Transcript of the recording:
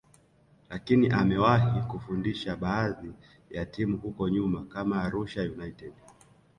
lakini amewahi kufundisha baadhi ya timu huko nyuma kama Arusha United